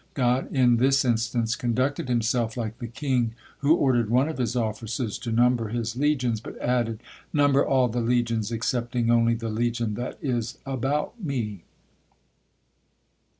God in this instance conducted Himself like the king who ordered one of his officers to number his legions, but added: "Number all the legions excepting only the legion that is about me."